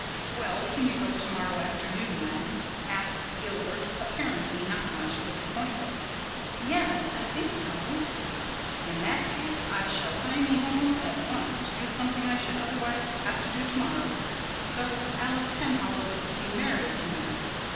"Well, can you go tomorrow afternoon, then?" asked Gilbert, apparently not much disappointed. "Yes, I think so." "In that case I shall hie me home at once to do something I should otherwise have to do tomorrow. So Alice Penhallow is to be married tonight.